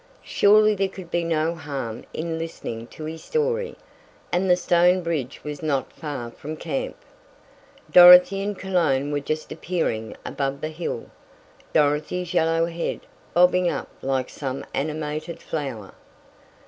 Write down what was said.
Surely there could be no harm in listening to his story, and the stone bridge was not far from camp. Dorothy and Cologne were just appearing above the hill, Dorothy's yellow head bobbing up like some animated flower.